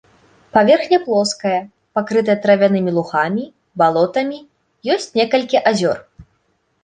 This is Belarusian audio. Паверхня плоская, пакрытая травянымі лугамі, балотамі, ёсць некалькі азёр.